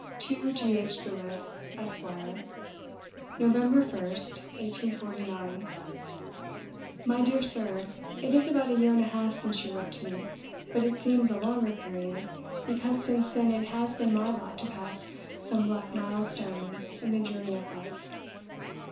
To G. H. LEWES, ESQ. "Nov. 1st, 1849. "My dear Sir, It is about a year and a half since you wrote to me; but it seems a longer period, because since then it has been my lot to pass some black milestones in the journey of life.